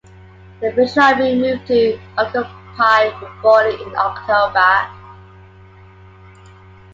The Finnish Army moved to occupy Reboly in October.